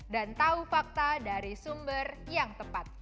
dan tahu fakta dari sumber yang tepat